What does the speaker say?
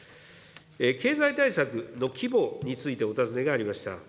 経済対策の規模についてお尋ねがありました。